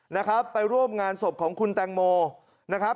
นะครับไปร่วมงานศพของคุณแตงโมนะครับ